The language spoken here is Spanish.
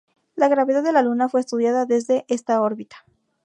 La gravedad de la Luna fue estudiada desde esta órbita.